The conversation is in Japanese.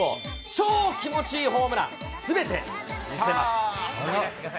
超気持ちいいホームラン、すべて見せます。